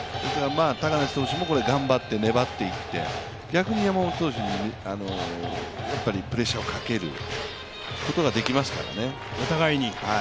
高梨投手も頑張って粘っていって、逆に山本投手にプレッシャーをかけることができますからね。